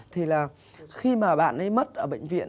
thì là khi mà bạn ấy mất ở bệnh viện